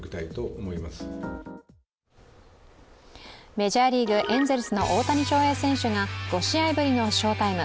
メジャーリーグ、エンゼルスの大谷翔平選手が５試合ぶりの翔タイム。